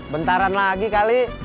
bentaran lagi kali